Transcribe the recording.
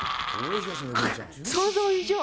想像以上。